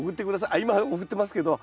あっ今送ってますけど。